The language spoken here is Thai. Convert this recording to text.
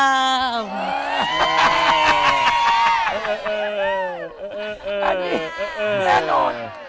อันนี้แน่นอน